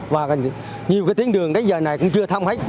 và nhiều cái tuyến đường đến giờ này cũng chưa thông hết